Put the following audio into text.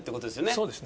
そうですね。